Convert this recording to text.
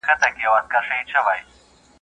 څلور کوره، پنځه ئې ملکان.